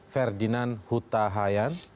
ferdinand huta hayan